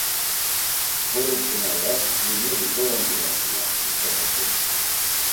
Gorumtuna ya ǩliniği dovonciratu ya Must̆afa şeni.